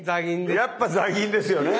やっぱザギンですよね。